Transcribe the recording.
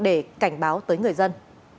để cảnh báo tới người dân